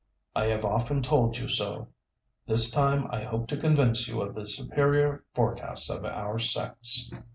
I have often told you so. This time I hope to convince you of the superior forecast of our sex.